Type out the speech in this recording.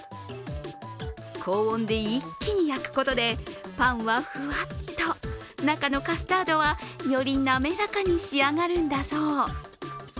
高温で一気に焼くことでパンはふわっと中のカスタードはより滑らかに仕上がるんだそう。